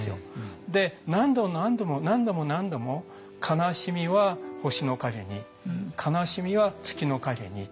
で何度も何度も何度も何度も「悲しみは星のかげに悲しみは月のかげに」。